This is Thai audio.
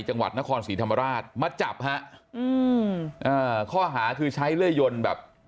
จังหวัดนครศรีธรรมราชมาจับฮะอืมอ่าข้อหาคือใช้เลื่อยยนแบบ